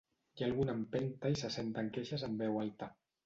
Hi ha alguna empenta i se senten queixes en veu alta.